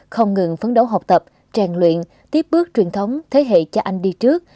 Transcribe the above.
không ngừng phấn đấu học tập trang luyện tiếp bước truyền thống thế hệ cha anh đi trước